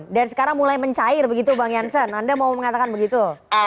dan sekarang mulai mencair begitu bang jansen anda mau mengatakan begitu